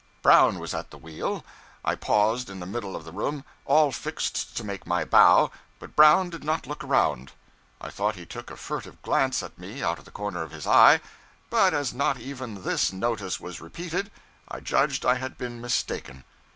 Brown was at the wheel. I paused in the middle of the room, all fixed to make my bow, but Brown did not look around. I thought he took a furtive glance at me out of the corner of his eye, but as not even this notice was repeated, I judged I had been mistaken.